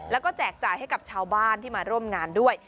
แล้วก็แจกจ่ายให้กับชาวบ้านที่มาร่วมงานด้วย